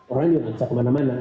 orang juga nggak bisa kemana mana